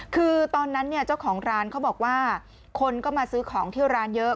คือตอนนั้นเนี่ยเจ้าของร้านเขาบอกว่าคนก็มาซื้อของที่ร้านเยอะ